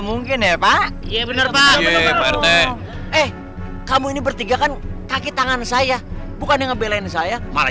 mungkin ya pak iya bener pak eh kamu ini bertiga kan kaki tangan saya bukan ngebelain saya malah